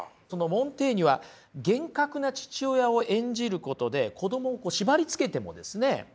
モンテーニュは厳格な父親を演じることで子供を縛りつけてもですね